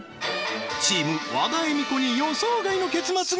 チーム和田恵美子に予想外の結末が！